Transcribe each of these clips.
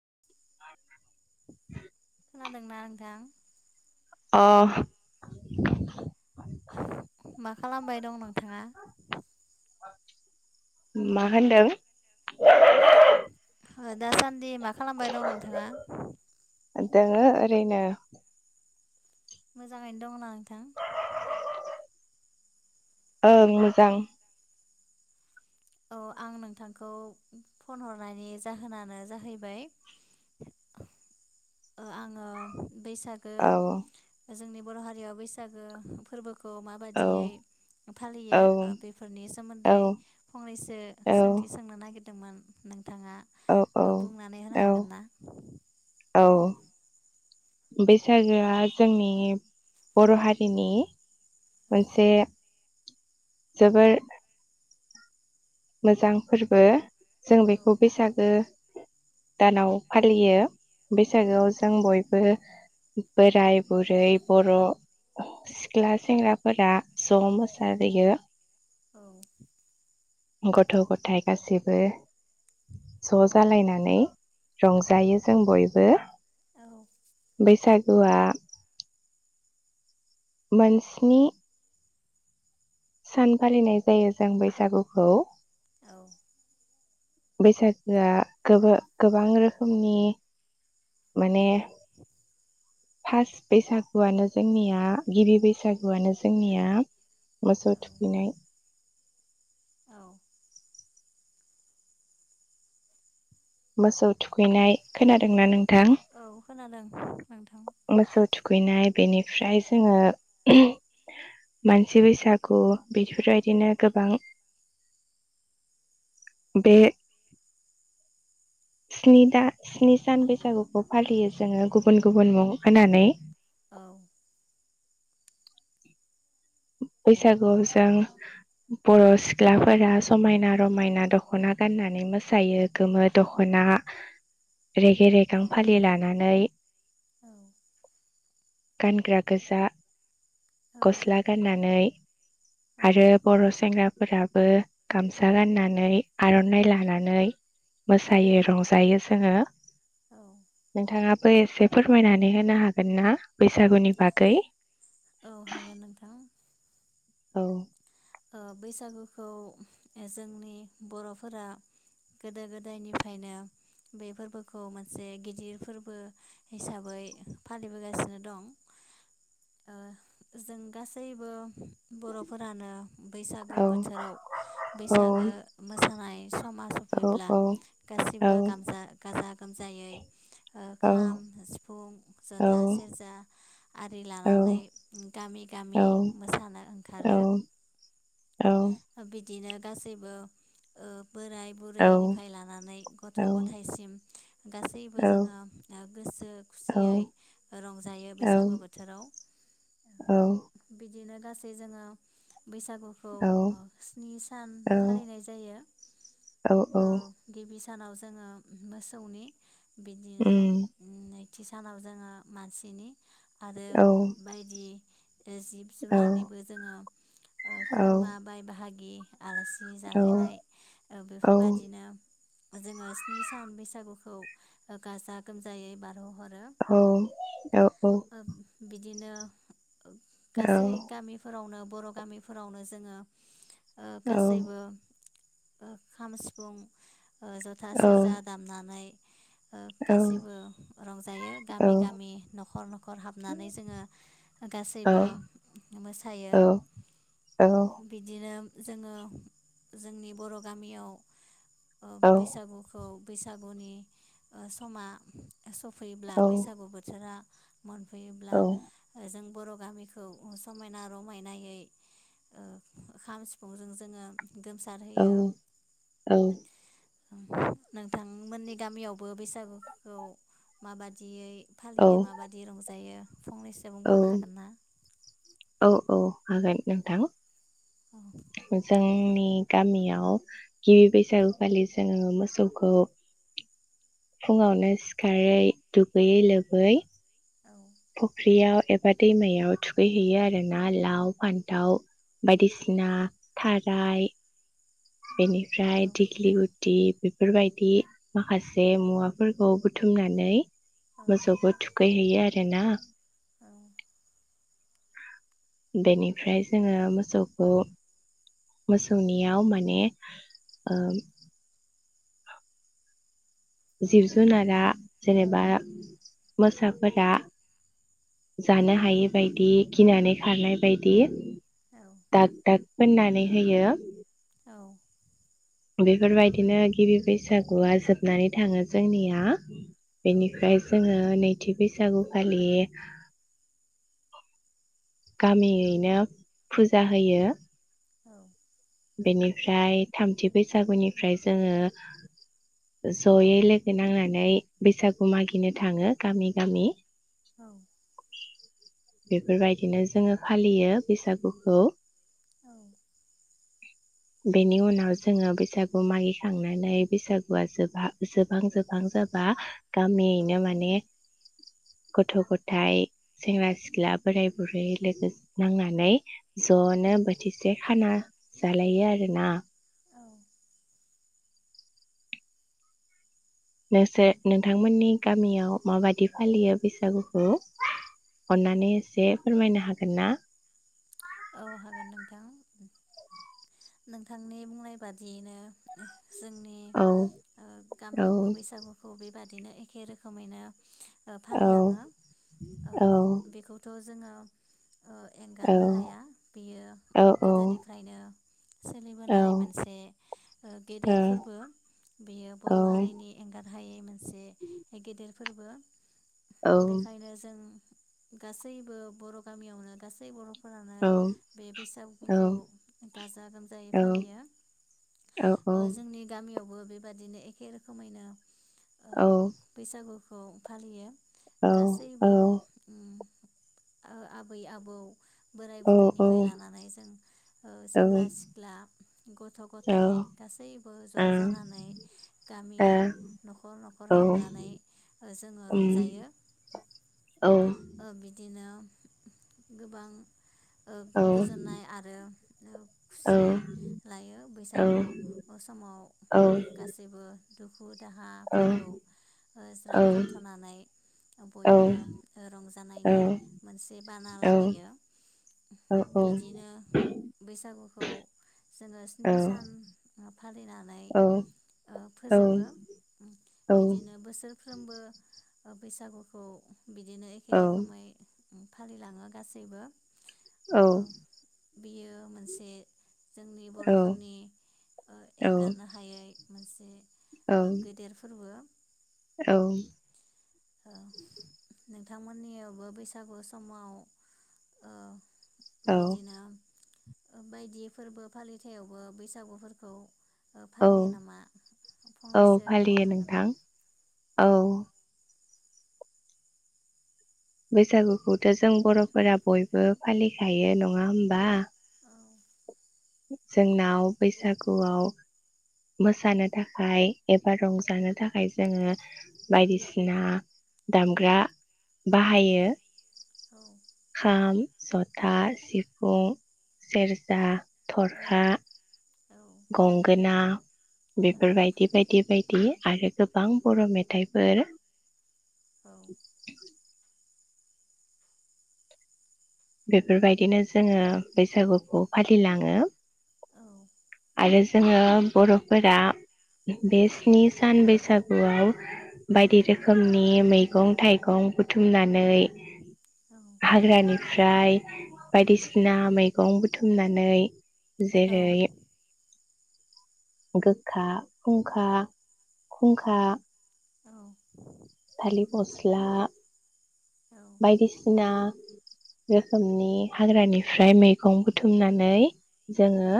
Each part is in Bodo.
[inaudible] खोनादों ना नोंथां? अ मा खालामबाय दं नोंथाङा? मा होनदों? ओ दा सान दि मा खालामबाय दं नोंथाङा? दोङो ओरैनो। मोजाङैनो दंना नोंथां? ओ मोजां। औ आं नोंथांखौ फन हरनायनि जाहोनानो जाहैबाय ओ आङो बैसागो औ जोंनि बर' हारियाव बैसागो फोरबोखौ खौ औ माबायदियै औ फालियो ओ बेफोरनि औ सोमोन्दै फंनैसो सोंथि औ सोंनो नागिरदों। मोन नों थाङा बुंनानै होनो औ औ हागोन ना? औ दे बैसागोआ बुंनोसै जोंनि बर' हारिनि औ मोनसे जोबोर मोजां फोरबो जों बेखौ बैसागो दानाव फालियो। औ बैसागोआव जों बय बो बोराय बुरै बर' सिख्ला सेंग्राफोरा ज' मोसाहैयो। औ। गथ' गथाइ गासैबो ज' जालायनानै रंजायो जों बयबो। औ। बैसागुआ मोनस्नि सान फालिनाय जायो जों बैसागुखौ। बैसागोआ गोबा गोबां रोखोमनि माने फास बैसागुआनो जोंनिया गिबि बैसागुआनो जोंनिया मोसौ औ थुखैनाय। औ। मोसौ थुखैनाय खोनादोंना नों? औ खोनादों नोंथां। दुगैनाय बेनिफ्राय जोङो मानसि बैसागु बेफोरबायदिनो गोबां बे स्नि दा-स्नि सान बैसागुखौ फालियो जोङो गुबुन गुबुन मुं होनानै औ बैसागुआव जों बर' सिख्लाफोरा समायना रमायना दखना गाननानै मोसायो गोमो द'खना रेगे औ रेगां फालि लानानै [inaudible] गानग्रा गोजा गस्ला नानै औ आरो बर' सेंग्रा फोराबो गामसा गाननानै आरनाइ लानानै, मोसायो औ रंजायो। जोङो औ नोंथाङाबो एसे फोरमायनानै होनो हागोन ना बैसागुनि बागै? औ हागोन नोंथां। औ ओ बैसागुखौ जोंनि बर'फोरा गोदो गोदायनिफ्रायनो बे फोरबोखौ मोनसे गिदिर फोरबो हिसाबै फालिबोगासिनो दं ओ जों गासैबो बरफोरानो औ बैसागो बोथोराव बैसागो औ मोसानाय समा सफैब्ला औ औ गासिबो औ गाजा गोमजायै औ खाम सिफुं औ जथा सेरजा आरि लानानै हागोन गामि गामि मोसानो ओंखारो। औ बिदिनो गासैबो ओ बोराय बुरैनिफ्राय लानानै गथ' गथायसिम गासैबो जोङो गोसो खुसियै रंजायो बैसागु बोथोराव बिदिनो गासै जोङो बैसागुखौ स्नि सान फालिनाय जायो गिबि सानाव जोङो मोसौनि बिदिनो थि सानाव जोङो मानसिनि आरो बायदि जिब जुनारनिबो जोङो खुरमा बाय हागि आलासि जाहैनाय बेफोरबादिनो जोङो स्नि सान बैसागुखौ गाजा गोमजायै बारहो औ औ औ दिनो गासै गामिफोरावनोब बर गामि फोरावनो जोङो ओ गासैबो ओ खाम, सिफुं ओ जथा, सेरजा दामनानै ओ गासैबो रंजायो गामि गामि नखर नखर हाबनानै जोङो गासैबो मोसायो। औ दिनो जोङो जोंनि बर गामियाव ओ बैसागुखौ बैसागुनि ओ समा सफैयोब्ला बैसागु बोथोरा मोनफैयोब्ला जों बर गामिखौ समायना रमायनायै ओ खाम सिफुंजों जोङो गोमसार होयो। नोंथांमोननि गामियावबो बैसागुखौ माबादियै फालियो माबादि रंजायो फंनैसो बुं बावनो हागोन ना? हागोन नोंथां। औ जोंनि गामियाव गिबि बैसागु फालि जोङो मोसौखौ फुङावनो सिखारै दुगैयै लोबै औ फुख्रियाव एबा दैमायाव थुखैहैयो आर ना लाव, फान्थाव बायदिसिना थाराय बिनि ओमफ्राय औ दिगलि गुटि बेफोरबायदि माखासे मुवाफोरखौ बुथुमनानै औ मोसौखौ थुखै हैयो आरोना औ बेनिफ्राय जोङो मोसौखौ मोसौनियाव माने जिब जुनारा जेनेबा मोसाफोरा जानो हायि बायदि गिनानै खारनाय बायदि दाग दाग फोननानै होयो। औ बेफोरबायदिनो गिबि बैसागुआ जोबनानै थांङो जोंनिया बेनिफ्राय जोङो ओ नैथि बैसागु फालियो गामियैनो फुजा होयो। औ बेनिफ्राय थामथि बैसागुनिफ्राय जोङो जयै लोगो नांनानै बैसागु मागिनो थाङो गामि गामि औ बेफोरबायदिनो जोङो फालियो बैसागुखौ औ बेनि उनाव जोङो बैसागु मागिखांनानै बैसागुआ जोब जोबहां जोबहां जाबा गामियैनो औ माने गथ'गथाइ, सेंग्रा, सिख्ला, बोराय, बुरै लोगो नांनानै जनो उम बोथिसे खाना जालायो आरो ना औ नोंसोर नोंथांमोननि गामियाव माबादि फालियो बैसागुखौ अन्नानै एसे फोरमायनो हागोन ना? औ हागोन नोंथां। नोंथांनि बुंनाय बादियैनो ओ जोंनि औ ओ औ गामियावबो बैसागुखौ बेबा दिनो एखे रोखोमैनो फालिलाङो औ औ बेखौथ जोङो ओ औ एंगारनो हाया बियो औ औ ओ गोदोनिफ्रायनो सोलिबोनाय मोनसे ओ गेदेर औ फोरबो बेयो बर'हारिनि एंगार हायै मो से गेदेर फोरबो बेखायनो जों गासैबो बर गामियावनो गासै बर' फोरानो औ बे बैसागुखौ औ गाजा गोमजायै औ फालियो। औ ओ जोंनि गा मियावबो बेबादिनो एखे रोखोमैनो औ खौ फालियो। गासैबो उम आ आबै आबौ बोराय बुरैनिफ्राय लानानै जों सेंग्रा सिख्ला गथ' गथायाइ गासैबो ज' जानानै गामियाव न'खर न'खर हाबनानै जोङो रंजायो ओ बिदिनो गोबां ओं गोजोननाय आरो औ खुसि लायो बैसागु समाव गासैबो दुख दाहाफोरखौ ज्राब दोनथनानै बयबो रंजानायनि मोनसे बाना लाबोयो बिदिनो बैसागुखौ जोङो स्नि सान- फालिनानै ओ फोजोबो बिदिनो बोसोरफ्रोमबो बैसागुखौ बिदिनो एखे रोखोमै फालिलाङो गासैबो औ। ओ बियो मोनसे जोंनि बर'फोरनि एंगारनो हायै मोनसे ओ गेदेर फोरबो। औ। औ। नोंथांमोननियावबो बैसागु समाव ओ बिदिनो बायदि फोरबो फालिथायावबो बैसागुफोरखौ फालियो नामा फंनैसो फालियो बुंबावनो हागोन ना? नोंथां औ। बैसागुखौथ जों बर'फोरा बयबो फालिखायो नङा होमबा? जोंनाव बैसागुआव मोसानो थाखाय एबा रंजानो थाखाय जोङो बायदिसिना दामग्रा बाहायो। खाम, जथा, सिफुं, सेरजा, थरखा गंगोना बेफोरबायदि बायदि बायदि आरो गोबां बर' मेथाइफोर बेफोरबायदिनो जोङो बैसागुखौ फालिलाङो आरो जोङो बर'फोरा बे स्नि सान बैसागुआव बायदि रोखोमनि मैगं थाइगं बुथुमनानै हाग्रानि ओमफ्राय बायदिसिना मैगं बुथुमनानै जेरै गोखा, खुंखा, खुंखा थालि फस्ला बायदिसिना रोखोमनि हाग्रानिफ्राय मैगं बुथुमनानै जोङो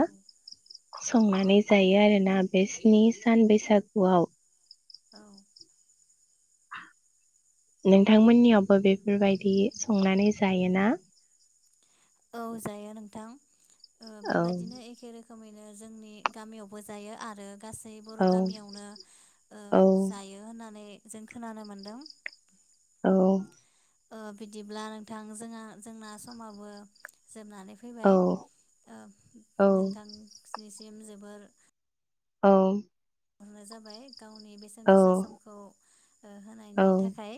संनानै जायो आरो ना बे स्नि सान बैसागुआव। औ। नोंथांमोननियावबो बेफोरबायदि संनानै जायोना? औ जायो नोंथां। ओ औ बेबादिनो एखे रोखोम रोखोमैनो जोंनि गामियावबो जायो आरो गासै बर' औ गामियावनो ओ औ जायो होननानै जों खोनानो मोनदों। औ। ओ बिदिब्ला नोंथां जोंङा जोंना समाबो जोबनानै औ फैबाय ओ औ नोंथां स्निसि इम जोबोर औ। हरनाय जाबाय। गावनि बेसेन औ गोसा समखौ ओ होनायनि थाखाय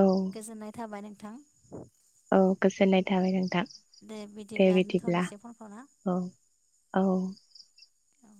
औ गोजोननाय थाबाय नों नोंथां। औ गोजोननाय थाबाय नोंथां दे बिदिब्ला दोनथ'नोसै फनखौ ना औ औ। औ